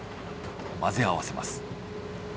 混ぜ合わせます。